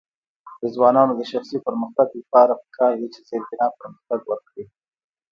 د ځوانانو د شخصي پرمختګ لپاره پکار ده چې زیربنا پرمختګ ورکړي.